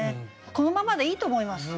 このままでいいと思います。